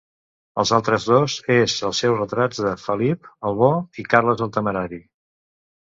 Els altres dos és els seus retrats de Felip el Bo i Carles el Temerari.